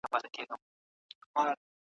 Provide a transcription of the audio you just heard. ده د تېرو تېروتنو تکرار نه غوښت.